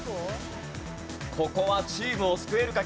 ここはチームを救えるか？